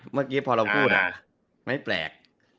เมื่อกี้พอเราพูดไม่แปลก